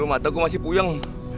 aduh mata aku masih puyeng